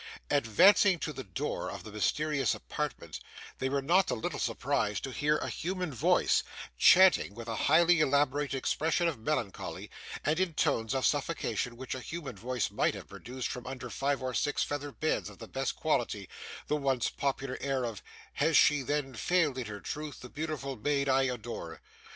Advancing to the door of the mysterious apartment, they were not a little surprised to hear a human voice, chanting with a highly elaborated expression of melancholy, and in tones of suffocation which a human voice might have produced from under five or six feather beds of the best quality, the once popular air of 'Has she then failed in her truth, the beautiful maid I adore?